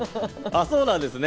そうなんですね。